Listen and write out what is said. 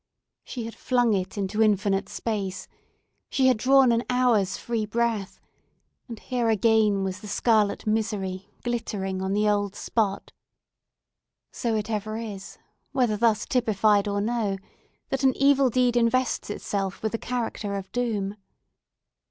She had flung it into infinite space! she had drawn an hour's free breath! and here again was the scarlet misery glittering on the old spot! So it ever is, whether thus typified or no, that an evil deed invests itself with the character of doom.